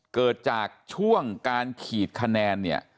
เกิดจากช่วงการขีดคะแนนเนี่ย